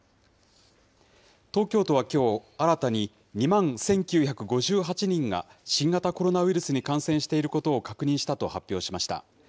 東京都はきょう、新たに２万１９５８人が新型コロナウイルスに感染していることを確認したと発表しました。